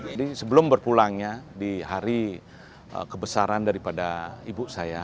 jadi sebelum berpulangnya di hari kebesaran daripada ibu saya